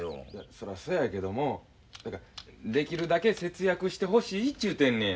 そらそやけどもできるだけ節約してほしいちゅうてんねや。